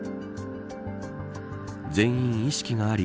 全員意識があり